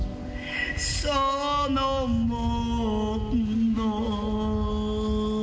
「そのもの」